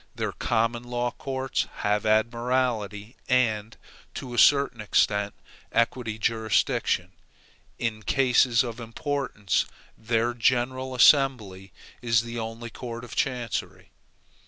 Their common law courts have admiralty and, to a certain extent, equity jurisdiction. In cases of importance, their General Assembly is the only court of chancery.